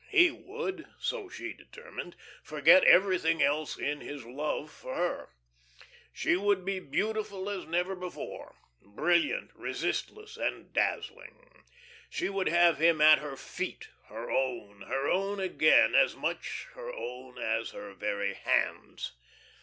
He would, so she determined, forget everything else in his love for her. She would be beautiful as never before brilliant, resistless, and dazzling. She would have him at her feet, her own, her own again, as much her own as her very hands.